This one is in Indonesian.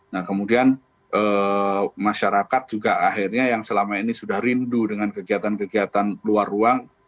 nah kemudian masyarakat juga akhirnya yang selama ini sudah rindu dengan kegiatan kegiatan luar ruang